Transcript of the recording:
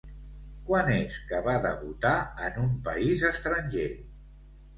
Quan és que va debutar en un país estranger?